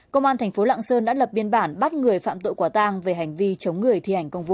công an thành phố lạng sơn đã lập biên bản bắt người phạm tội quả tang về hành vi chống người thi hành công vụ